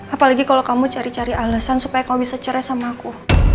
apalagi kalau kamu cari cari alasan supaya kamu bisa cerai sama aku